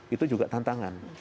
itu juga tantangan